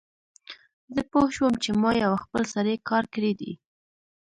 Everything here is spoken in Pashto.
زه پوه شوم چې ما یو خپل سری کار کړی دی